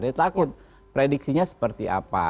dia takut prediksinya seperti apa